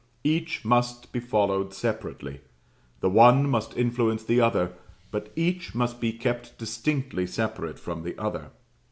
Each must be followed separately; the one must influence the other, but each must be kept distinctly separate from the other.